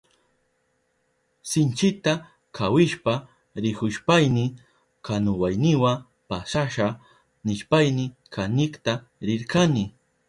Sinchita kawishpa rihushpayni kanuwayniwa pasasha nishpayni kanikta rirkani.